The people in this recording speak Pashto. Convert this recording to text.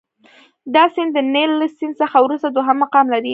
دا سیند د نیل له سیند څخه وروسته دوهم مقام لري.